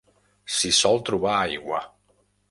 S'hi sol trobar aigua.